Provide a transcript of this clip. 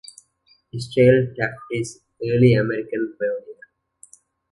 Israel Taft is an early American pioneer.